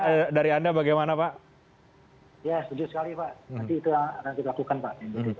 ya sedih sekali pak nanti itu yang akan kita lakukan pak